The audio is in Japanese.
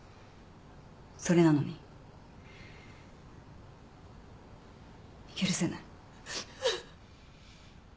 それなのに許せない。